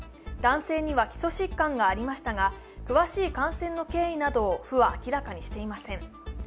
男性には基礎疾患がありましたが、詳しい感染の経緯などを府は明らかにしていません。